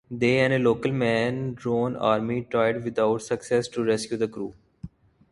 They and a local man, Ron Amey, tried without success to rescue the crew.